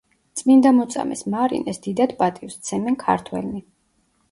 წმინდა მოწამეს მარინეს დიდად პატივს ცემენ ქართველნი.